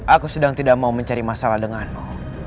aku sedang tidak mau mencari masalah denganmu